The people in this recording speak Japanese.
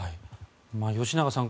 吉永さん